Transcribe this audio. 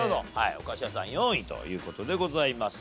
お菓子屋さん４位という事でございます。